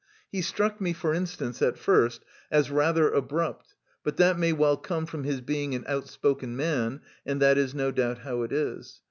He struck me, for instance, at first, as rather abrupt, but that may well come from his being an outspoken man, and that is no doubt how it is.